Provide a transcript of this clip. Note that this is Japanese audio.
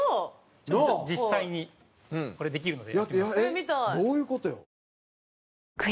じゃあ実際にこれできるので。